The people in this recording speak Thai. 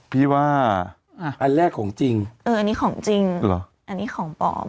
พี่ว่าอันแรกของจริงเอออันนี้ของจริงเหรออันนี้ของปลอม